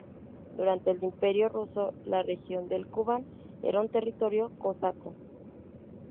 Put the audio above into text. Durante el Imperio ruso, la región del Kubán era un territorio cosaco.